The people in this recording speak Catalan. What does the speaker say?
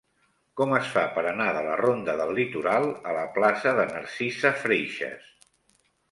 Com es fa per anar de la ronda del Litoral a la plaça de Narcisa Freixas?